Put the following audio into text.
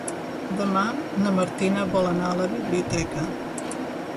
Demà na Martina vol anar a la biblioteca.